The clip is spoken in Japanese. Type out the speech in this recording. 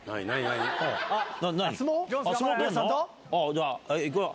じゃあいくよ